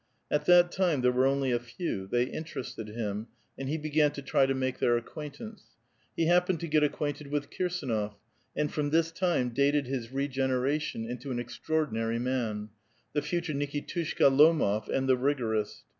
At that time there were only a few ; they interested him, and he began to try to make tlieir acquaintance. He happened to get acquainted with Kirsdnof , and from this time dated his regeneration into an extraordinary man, the future Niki tushka Lomof and the rigorist.